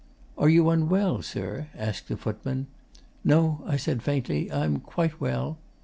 "Are you unwell sir?" asked the footman. "No," I said faintly, "I'm quite well."